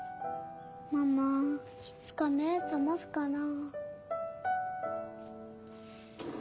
ママいつか目覚ますかな。